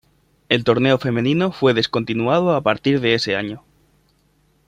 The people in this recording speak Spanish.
El torneo femenino fue descontinuado a partir de este año.